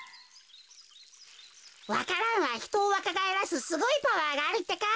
わか蘭はひとをわかがえらすすごいパワーがあるってか。